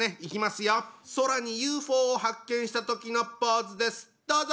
「空にＵＦＯを発見したとき」のポーズですどうぞ！